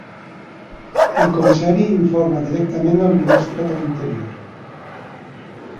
El comissari informa directament al Ministre de l"interior.